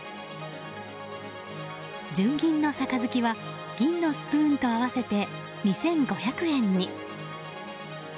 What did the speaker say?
純銀の杯は銀のスプーンと合わせて２５００円に。